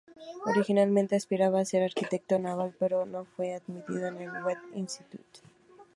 Originalmente aspiraba a ser arquitecto naval, pero no fue admitido en el Webb Institute.